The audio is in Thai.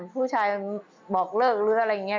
ผู้ชายบอกเลิกหรืออะไรอย่างนี้